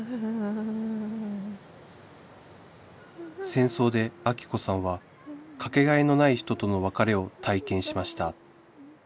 戦争でアキ子さんはかけがえのない人との別れを体験しました